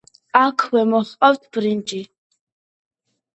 აქვე მოჰყავთ ბრინჯი.